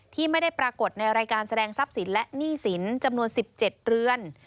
ที่ไม่ได้ปรากฏในรายการแสดงทรัพย์สินและหนี้สินจำนวน๑๗เรือน